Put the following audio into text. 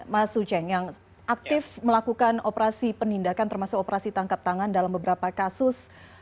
mas uceng yang aktif melakukan operasi penindakan termasuk operasi tangkap tangan dalam beberapa kasus